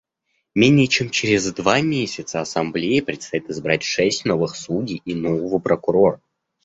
Менее чем через два месяца Ассамблее предстоит избрать шесть новых судей и нового прокурора.